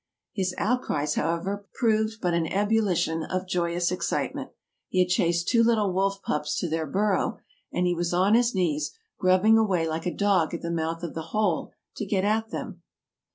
His outcries, however, proved but an ebullition of joyous excitement; he had chased two little wolf pups to their burrow, and he was on his knees, grubbing away like a dog at the mouth of the hole, to get at them.